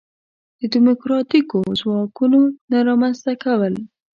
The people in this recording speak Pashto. دیموکراتیکو ځواکونو نه رامنځته کول.